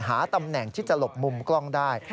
หาตำแหน่งที่จะหลบมุมกล้องได้